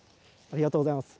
ありがとうございます。